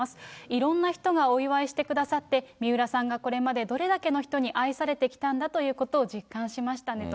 いろんな人がお祝いしてくださって、水卜さんがこれまでどれだけの人に愛されてきたんだということを実感しましたねと。